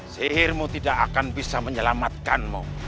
sihirmu tidak akan bisa menyelamatkanmu